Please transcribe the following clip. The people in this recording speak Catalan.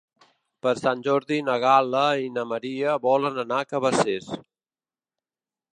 Per Sant Jordi na Gal·la i na Maria volen anar a Cabacés.